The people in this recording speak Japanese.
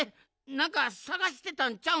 なんかさがしてたんちゃうん？